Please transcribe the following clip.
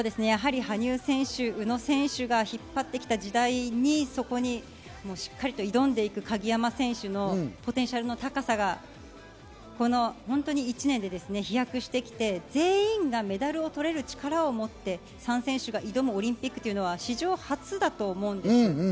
やはり羽生選手、宇野選手が引っ張ってきた時代に、そこにしっかりと挑んでいく鍵山選手のポテンシャルの高さがこの１年で飛躍してきて、全員がメダルを取れる力を持って３選手が挑むオリンピックというのは史上初だと思います。